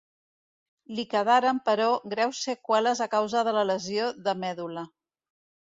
Li quedaren, però, greus seqüeles a causa de la lesió de medul·la.